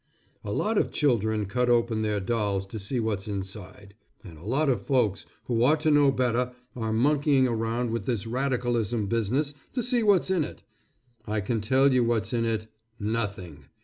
A lot of children cut open their dolls to see what's inside, and a lot of folks who ought to know better are monkeying around with this radicalism business to see what's in it. I can tell you what's in it: "Nothing!"